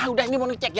udah ini mau dicek ya